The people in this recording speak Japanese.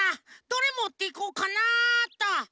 どれもっていこうかなっと。